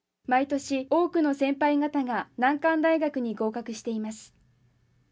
毎年多くの先輩方が難関大学に合格しています。